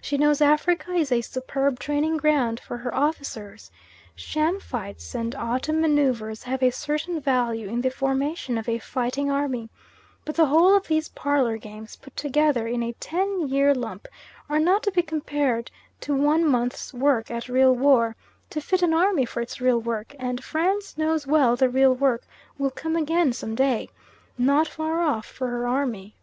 She knows Africa is a superb training ground for her officers. Sham fights and autumn manoeuvres have a certain value in the formation of a fighting army, but the whole of these parlour games, put together in a ten year lump, are not to be compared to one month's work at real war, to fit an army for its real work, and France knows well the real work will come again some day not far off for her army.